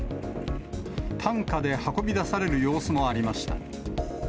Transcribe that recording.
担架で運び出される様子もありました。